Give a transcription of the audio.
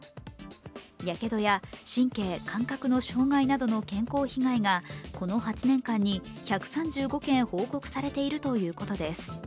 やけどや、神経・感覚の障害などの健康被害がこの８年間に１３５件報告されているということです。